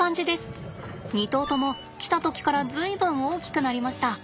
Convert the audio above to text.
２頭とも来た時から随分大きくなりました。